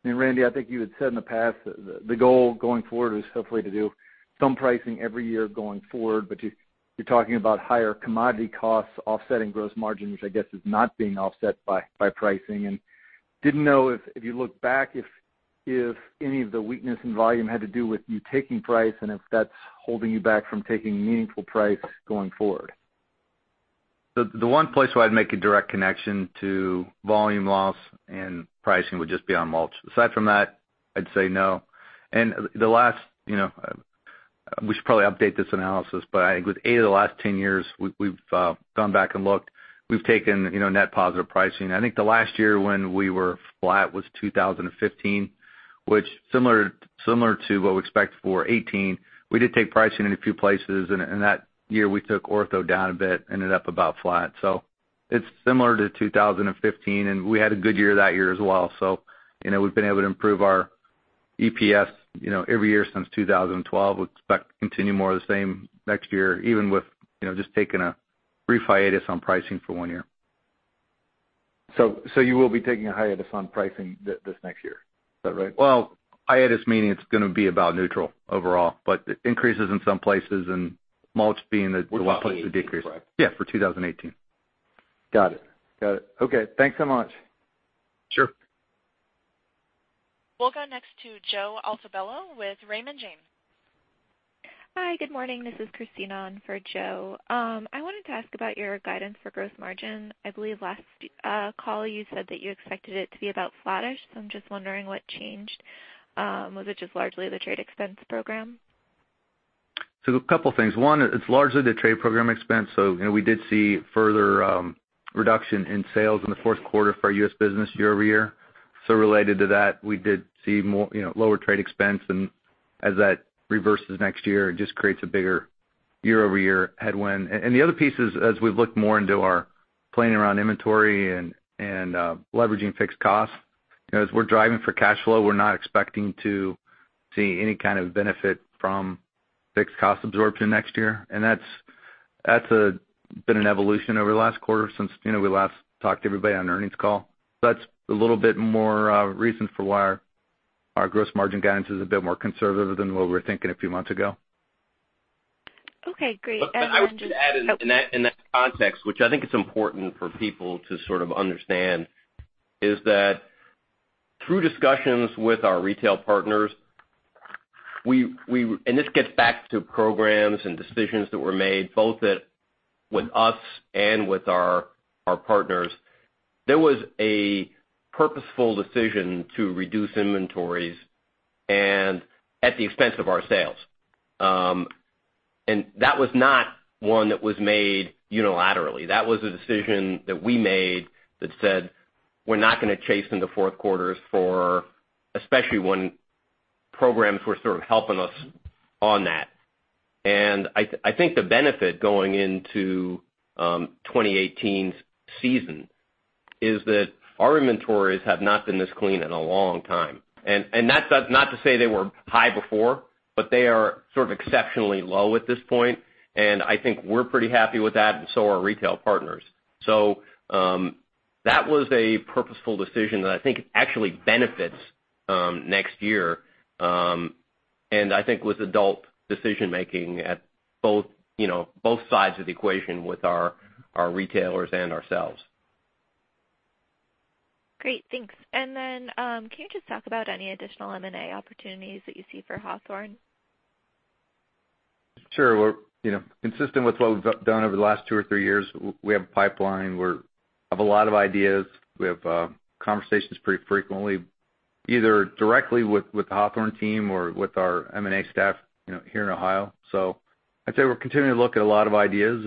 Randy, I think you had said in the past the goal going forward is hopefully to do some pricing every year going forward, you're talking about higher commodity costs offsetting gross margin, which I guess is not being offset by pricing and didn't know if you looked back if any of the weakness in volume had to do with you taking price and if that's holding you back from taking meaningful price going forward. The one place where I'd make a direct connection to volume loss and pricing would just be on mulch. Aside from that, I'd say no. The last, we should probably update this analysis, I think with eight of the last 10 years, we've gone back and looked. We've taken net positive pricing. I think the last year when we were flat was 2015, which similar to what we expect for 2018, we did take pricing in a few places, and that year we took Ortho down a bit, ended up about flat. It's similar to 2015, and we had a good year that year as well. We've been able to improve our EPS every year since 2012. We expect to continue more of the same next year, even with just taking a brief hiatus on pricing for one year. You will be taking a hiatus on pricing this next year. Is that right? Hiatus meaning it's going to be about neutral overall, but increases in some places and mulch being the one place with decrease. For 2018, correct? For 2018. Got it. Okay, thanks so much. Sure. We'll go next to Joe Altobello with Raymond James. Hi, good morning. This is Christina on for Joe. I wanted to ask about your guidance for gross margin. I believe last call you said that you expected it to be about flattish, I'm just wondering what changed. Was it just largely the trade expense program? A couple things. One, it's largely the trade program expense. We did see further reduction in sales in the fourth quarter for our U.S. business year-over-year. Related to that, we did see lower trade expense and as that reverses next year, it just creates a bigger year-over-year headwind. The other piece is as we've looked more into our planning around inventory and leveraging fixed costs, as we're driving for cash flow, we're not expecting to see any kind of benefit from fixed cost absorption next year. That's been an evolution over the last quarter since we last talked to everybody on the earnings call. That's a little bit more reason for why our gross margin guidance is a bit more conservative than what we were thinking a few months ago. Okay, great. I would just add in that context, which I think is important for people to sort of understand, is that through discussions with our retail partners, and this gets back to programs and decisions that were made both with us and with our partners. There was a purposeful decision to reduce inventories and at the expense of our sales. That was not one that was made unilaterally. That was a decision that we made that said, we're not going to chase in the fourth quarters for, especially when programs were sort of helping us on that. I think the benefit going into 2018's season is that our inventories have not been this clean in a long time. That's not to say they were high before, but they are sort of exceptionally low at this point. I think we're pretty happy with that and so are retail partners. That was a purposeful decision that I think actually benefits next year. I think with adult decision-making at both sides of the equation with our retailers and ourselves. Great, thanks. Can you just talk about any additional M&A opportunities that you see for Hawthorne? Sure. Consistent with what we've done over the last two or three years, we have a pipeline. We have a lot of ideas. We have conversations pretty frequently, either directly with the Hawthorne team or with our M&A staff here in Ohio. I'd say we're continuing to look at a lot of ideas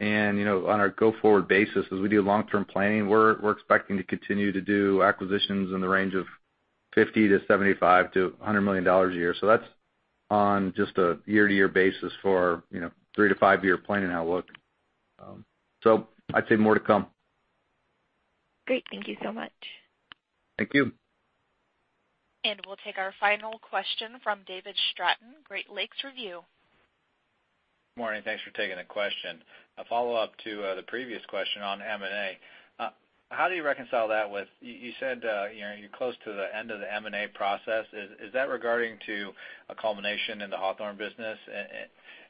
and on our go-forward basis, as we do long-term planning, we're expecting to continue to do acquisitions in the range of $50 to $75 to $100 million a year. That's on just a year-to-year basis for 3 to 5-year planning outlook. I'd say more to come. Great. Thank you so much. Thank you. We'll take our final question from David Stratton, Great Lakes Review. Morning, thanks for taking the question. A follow-up to the previous question on M&A. How do you reconcile that with, you said you're close to the end of the M&A process. Is that regarding to a culmination in the Hawthorne business?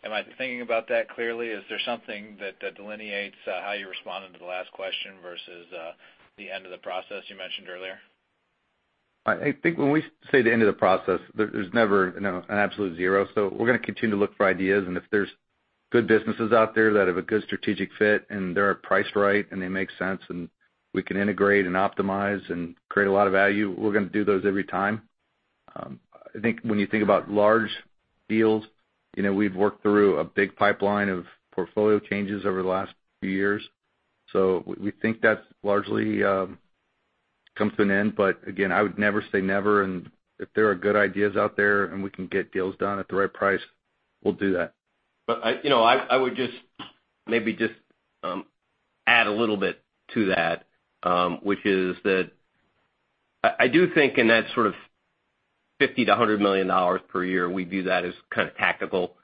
Am I thinking about that clearly? Is there something that delineates how you responded to the last question versus the end of the process you mentioned earlier? I think when we say the end of the process, there's never an absolute zero. We're going to continue to look for ideas, and if there's good businesses out there that have a good strategic fit and they are priced right and they make sense, and we can integrate and optimize and create a lot of value, we're going to do those every time. I think when you think about large deals, we've worked through a big pipeline of portfolio changes over the last few years. We think that's largely come to an end. Again, I would never say never, and if there are good ideas out there and we can get deals done at the right price, we'll do that. I would just maybe add a little bit to that, which is that I do think in that sort of $50 million-$100 million per year, we view that as kind of tactical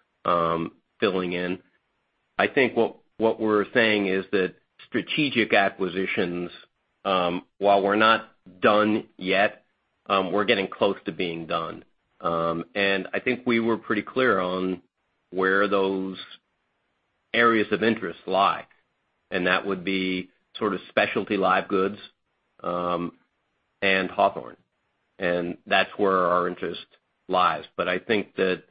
filling in. I think what we're saying is that strategic acquisitions, while we're not done yet, we're getting close to being done. I think we were pretty clear on where those areas of interest lie, and that would be sort of specialty live goods, and Hawthorne. That's where our interest lies. I think that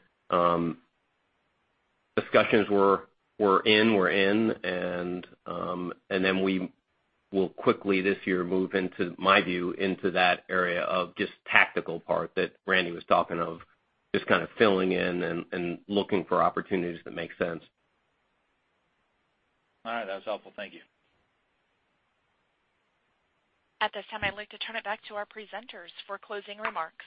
discussions we're in, we're in, and then we will quickly this year move into, my view, into that area of just tactical part that Randy was talking of, just kind of filling in and looking for opportunities that make sense. All right, that was helpful. Thank you. At this time, I'd like to turn it back to our presenters for closing remarks.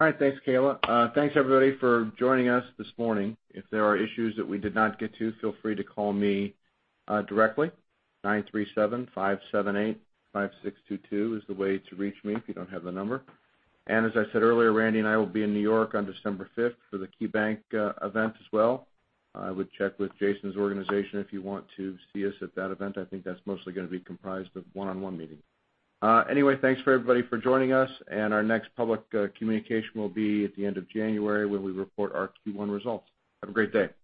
All right. Thanks, Kayla. Thanks everybody for joining us this morning. If there are issues that we did not get to, feel free to call me directly. 937-578-5622 is the way to reach me if you don't have the number. As I said earlier, Randy and I will be in New York on December 5th for the KeyBanc event as well. I would check with Jason's organization if you want to see us at that event. I think that's mostly going to be comprised of one-on-one meetings. Anyway, thanks everybody for joining us, and our next public communication will be at the end of January when we report our Q1 results. Have a great day.